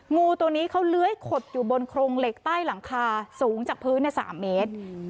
งูตัวนี้เขาเลื้อยขดอยู่บนโครงเหล็กใต้หลังคาสูงจากพื้น๓เมตร